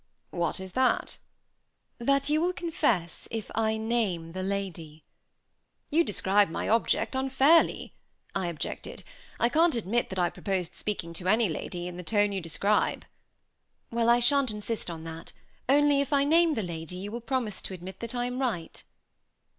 "What is that?" "That you will confess if I name the lady." "You describe my object unfairly," I objected. "I can't admit that I proposed speaking to any lady in the tone you describe." "Well, I shan't insist on that; only if I name the lady, you will promise to admit that I am right."